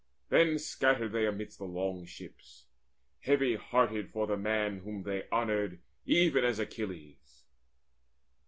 Then scattered they amidst The long ships, heavy hearted for the man Whom they had honoured even as Achilles.